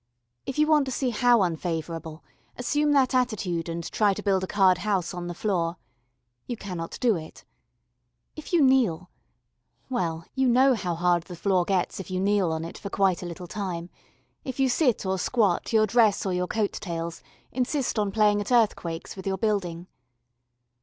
If you want to see how unfavourable assume that attitude and try to build a card house on the floor. You cannot do it. If you kneel well, you know how hard the floor gets if you kneel on it for quite a little time; if you sit or squat your dress or your coat tails insist on playing at earthquakes with your building.